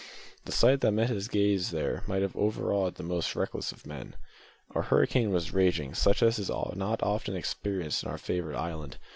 The sight that met his gaze there might have overawed the most reckless of men. A hurricane was raging such as is not often experienced in our favoured island.